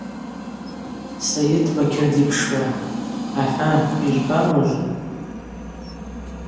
Сайыт Бакьыр дипшуа: – Ахӏы, йыжвбама ужвы.